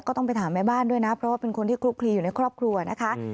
ก็ต้องไปถามแม่บ้านด้วยนะเพราะว่าเป็นคนที่คลุกคลีอยู่ในครอบครัวนะคะ